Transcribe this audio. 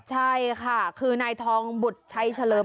ใช่ค่ะคือนายทองบุตรชัยเฉลิม